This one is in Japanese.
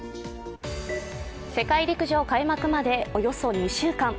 世界陸上開幕までおよそ２週間。